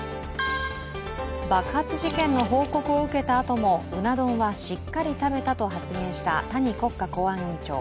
爆発事件の報告を受けたあともうな丼はしっかり食べたと発言した谷国家公安委員長。